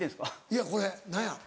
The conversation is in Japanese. いやこれ何や？